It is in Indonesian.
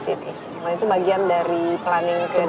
itu bagian dari planning kehidupan